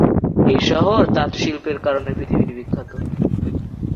এই শহর তাঁত শিল্পের কারণে পৃথিবী বিখ্যাত।